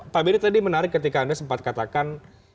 pak benny tadi menarik ketika anda sempat katakan